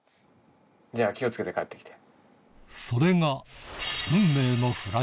じゃあ気を付けて帰ってきて。